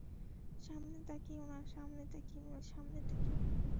সামনে তাকিওনা, সামনে তাকিওনা, সামনে তাকিওনা।